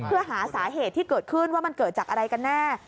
เพื่อหาสาเหตุที่เกิดขึ้นว่ามันเกิดจากอะไรกันแน่